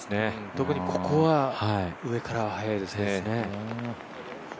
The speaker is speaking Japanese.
特にここは上からは速いですね。